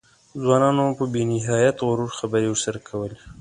ځوانانو په بې نهایت غرور خبرې ورسره کولې.